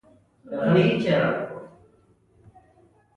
د علي ځېګر ساره ده.